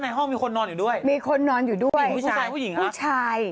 ห้องมีคนนอนอยู่ด้วยมีคนนอนอยู่ด้วยมีผู้ชายผู้หญิงครับผู้ชาย